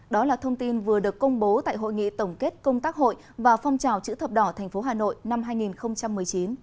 đó là thông tin vừa được công bố tại hội nghị tổng kết công tác hội và phong trào chữ thập đỏ tp hà nội năm hai nghìn một mươi chín